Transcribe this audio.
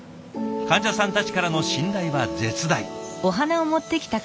患者さんたちからの信頼は絶大。